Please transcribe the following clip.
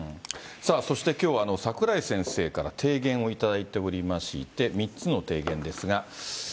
さあ、そしてきょうは櫻井先生から提言を頂いておりまして、３つの提言ですが。